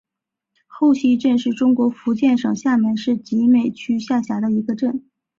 后溪镇是中国福建省厦门市集美区下辖的一个镇。